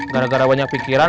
gara gara banyak pikiran